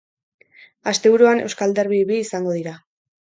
Asteburuan euskal derbi bi izango dira.